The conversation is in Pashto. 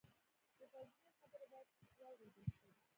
د تجربې خبرې باید واورېدل شي.